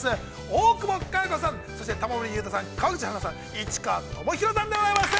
大久保佳代子さん、そして玉森裕太さん、川口春奈さん、市川知宏さんでございます。